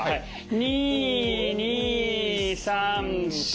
２２３４。